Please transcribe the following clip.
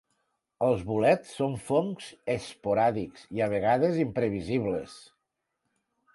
Els bolets són fongs esporàdics i, a vegades, imprevisibles.